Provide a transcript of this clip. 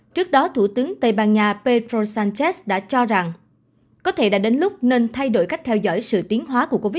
trước đó thủ tướng tây ban nha pedro sánchez đã cho rằng có thể đã đến lúc nên thay đổi cách theo dõi sự tiến hóa của quốc gia